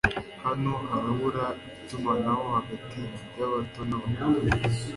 hano harabura itumanaho hagati yabato n'abakuru